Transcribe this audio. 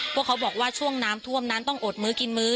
เขาบอกว่าช่วงน้ำท่วมนั้นต้องอดมื้อกินมื้อ